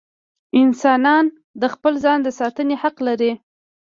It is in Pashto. انسانان د خپل ځان د ساتنې حق لري.